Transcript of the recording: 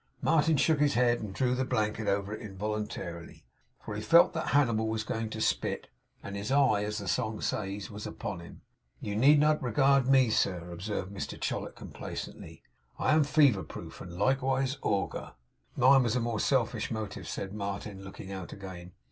Martin shook his head, and drew the blanket over it involuntarily; for he felt that Hannibal was going to spit; and his eye, as the song says, was upon him. 'You need not regard me, sir,' observed Mr Chollop, complacently. 'I am fever proof, and likewise agur.' 'Mine was a more selfish motive,' said Martin, looking out again.